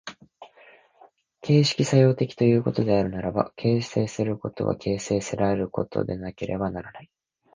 形成作用的ということであるならば、形成することは形成せられることでなければならない。